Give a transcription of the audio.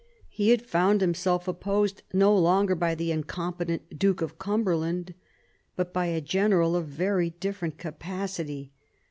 He had found himself opposed, no longer by the incompetent Duke of Cumberland, but by a general of very different capacity.